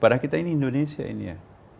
padahal kita ini indonesia ini ya